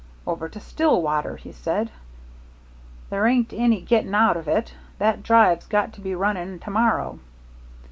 'Over to Stillwater,' he said. 'There ain't any getting out of it. That drive's got to be running to morrow.'